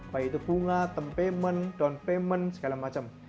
baik itu bunga tempayment downpayment segala macam